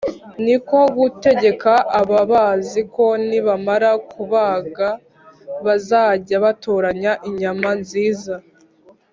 ni ko gutegeka ababazi ko nibamara kubaga bazajya batoranya inyama nziza